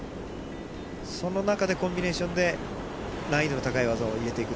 その中でコンビネーションで難易度の高い技を入れていく。